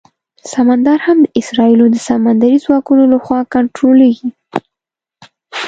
سمندر هم د اسرائیلو د سمندري ځواکونو لخوا کنټرولېږي.